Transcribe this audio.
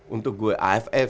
untuk gue aff